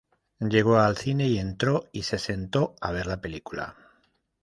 Llegó al cine y entró y se sentó a ver la película.